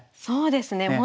そうですね。